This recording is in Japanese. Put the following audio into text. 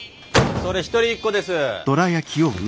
それ一人一個です！